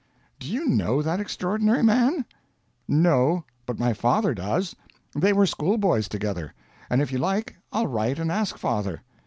Do you know that extraordinary man?" "No; but my father does. They were schoolboys together. And if you like, I'll write and ask father.